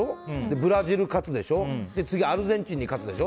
ブラジル勝つでしょ次、アルゼンチンに勝つでしょ。